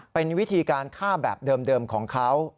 เป็นวิธีการฆ่าแบบเดิมของเขา